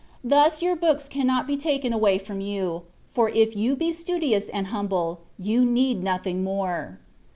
Thus your books cannot be taken away from you, for if you be studious and humble, you need nothing more.